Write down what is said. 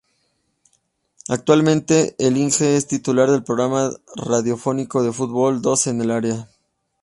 Actualmente, "el Inge" es titular del programa radiofónico de fútbol "Dos en el área.